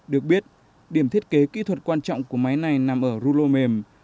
được biết điểm thiết kế kỹ thuật quan trọng của máy này nằm ở ru lô mềm